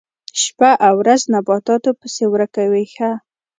شپه او ورځ نباتاتو پسې ورک وي ښه.